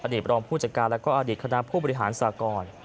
รองผู้จัดการและก็อดีตคณะผู้บริหารสากร